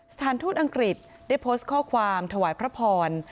สถานทูตอังกฤษได้โพสต์ข้อความถวายพระพร